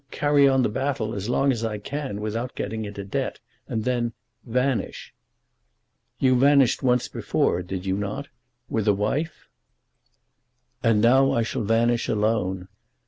Carry on the battle as long as I can without getting into debt, and then vanish." "You vanished once before, did you not, with a wife?" "And now I shall vanish alone.